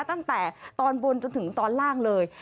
ตั้งแต่ตอนบนจนถึงตอนล่างเลย